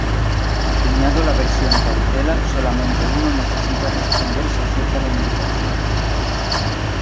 Acuñado la versión "Cautela", solamente uno necesita responder si acepta la invitación.